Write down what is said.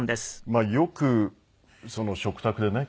よく食卓でね